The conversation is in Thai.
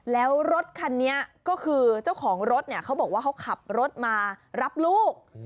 แล้วรถคันนี้ก็คือเจ้าของรถเนี่ยเขาบอกว่าเขาขับรถมารับลูก